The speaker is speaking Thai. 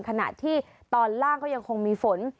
ขณะที่ตอนล่างก็ยังคงมีฝน